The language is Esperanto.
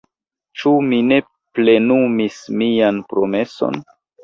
Ĉu mi ne plenumis mian promeson?